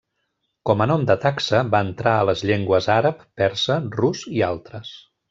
Com a nom de taxa va entrar a les llengües àrab, persa, rus i altres.